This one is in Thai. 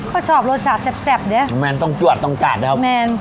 ก็ชอบรสชาติแซ็บนะมันต้องจวาดต้องการป่ะมัน